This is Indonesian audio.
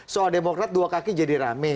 soal demokrat dua kaki jadi rame